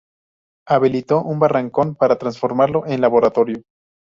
Habilitó un barracón para transformarlo en laboratorio.